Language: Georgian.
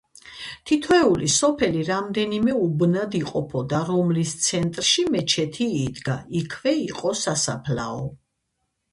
თითოეული სოფელი რამდენიმე უბნად იყოფოდა, რომლის ცენტრში მეჩეთი იდგა; იქვე იყო სასაფლაო.